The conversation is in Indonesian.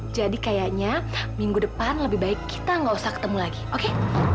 jadi kayaknya minggu depan lebih baik kita nggak usah ketemu lagi oke